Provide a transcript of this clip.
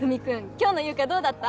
今日の優佳どうだった？